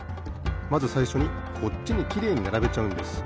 まずさいしょにこっちにきれいにならべちゃうんです。